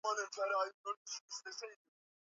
ambao hujulikana kwa swala energy